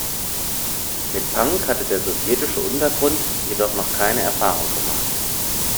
Mit Punk hatte der sowjetische Untergrund jedoch noch keine Erfahrung gemacht.